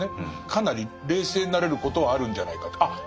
かなり冷静になれることはあるんじゃないかって。